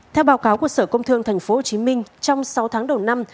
theo báo cáo của sở công thương tp hcm trong sáu tháng đầu năm